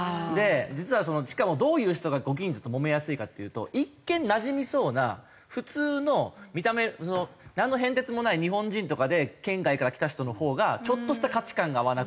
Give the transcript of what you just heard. しかもどういう人がご近所ともめやすいかっていうと一見なじみそうな普通の見た目なんの変哲もない日本人とかで県外から来た人のほうがちょっとした価値観が合わなくて。